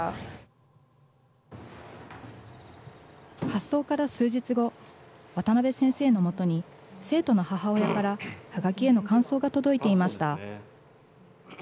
発送から数日後、渡邉先生のもとに生徒の母親からはがきへの感想が届いていました。